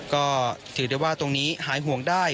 ก็ถือได้ว่าตรงนี้หายห่วงได้